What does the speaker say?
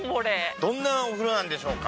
どんなお風呂なんでしょうか？